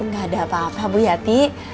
gak ada apa apa bu yati